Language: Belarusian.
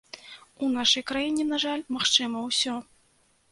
У нашай краіне, на жаль, магчыма ўсё.